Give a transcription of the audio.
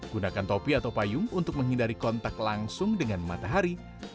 gunakan topi atau payung untuk menghindari kontak langsung dengan matahari